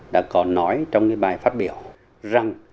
đã có nói trong cái bài phát biểu rằng